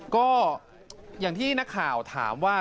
ก็อย่างที่นักข่าวถามว่า